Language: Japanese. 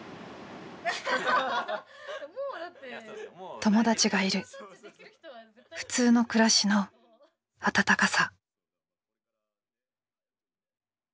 友達がいる普通の暮らしの温かさ。